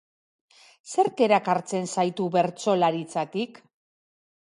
Zerk erakartzen zaitu bertsolaritzatik?